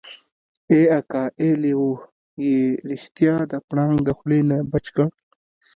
ای اکا ای لېوه يې رښتيا د پړانګ د خولې نه بچ کړی.